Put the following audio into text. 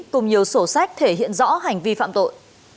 cùng nhiều sổ sách thể hiện rõ hành vi phạm tội